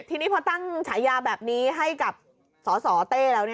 ทีนี้พอตั้งฉายาแบบนี้ให้กับสสเต้แล้ว